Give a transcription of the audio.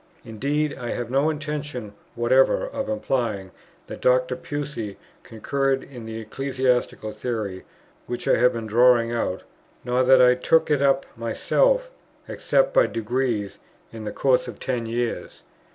Indeed, I have no intention whatever of implying that Dr. Pusey concurred in the ecclesiastical theory, which I have been now drawing out; nor that I took it up myself except by degrees in the course of ten years.